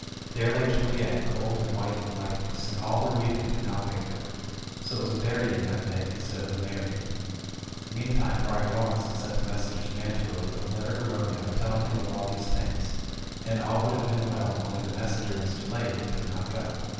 There lay Juliet cold and white and lifeless, and all their weeping could not wake her. So it was a burying that day instead of a marrying. Meantime Friar Laurence had sent a mes senger to Mantua with a letter to Romeo telling him of all these things ; and all would have been well, only the messenger was de layed, and could not go.